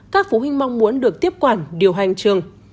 các phụ huynh mong muốn được tiếp quản điều hành trường